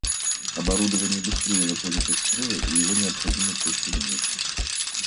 Оборудование быстрее выходит из строя и его необходимо чаще менять